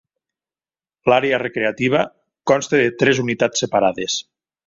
L'àrea recreativa consta de tres unitats separades.